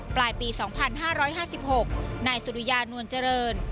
ปลายปี๒๕๕๖นายสุริยานวลเจริญ